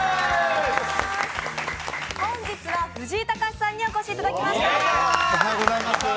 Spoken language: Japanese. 本日は藤井隆さんにお越しいただきました。